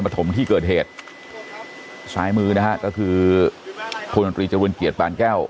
นกที่นครปฐมที่เกิดเหตุซ้ายมือนะฮะก็คือโพลนตรีจรุลเกียรติปานแก้ว